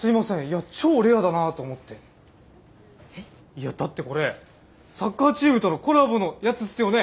いやだってこれサッカーチームとのコラボのやつっすよね。